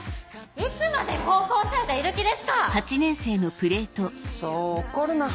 いつまで高校生でいる気ですか⁉そう怒るな。